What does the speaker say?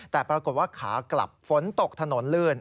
แต่ปรากฏว่าขากลับฝนตกถนนลื่น